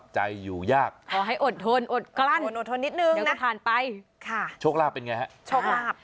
ชกลาบเป็นไงครับ